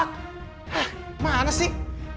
hah mana sih